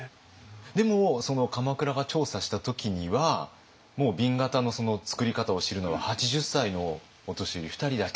でもその鎌倉が調査した時にはもう紅型の作り方を知るのは８０歳のお年寄り２人だけ。